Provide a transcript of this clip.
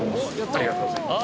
ありがとうございます。